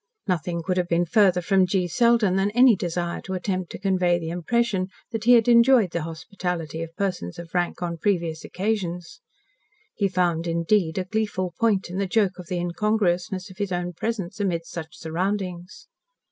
Nothing could have been farther from G. Selden than any desire to attempt to convey the impression that he had enjoyed the hospitality of persons of rank on previous occasions. He found indeed a gleeful point in the joke of the incongruousness of his own presence amid such surroundings.